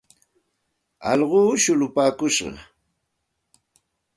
Allquumi shullupaakush.